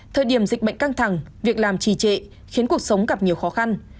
thời điểm dịch bệnh căng thẳng việc làm trì trệ khiến cuộc sống gặp nhiều khó khăn